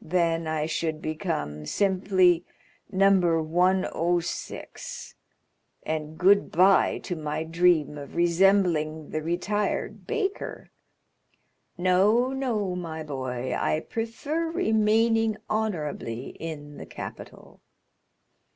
Then I should become simply No. 106, and good bye to my dream of resembling the retired baker! No, no, my boy; I prefer remaining honorably in the capital."